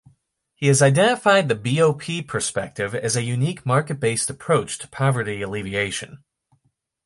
He has identified the BoP Perspective as a unique market-based approach to poverty alleviation.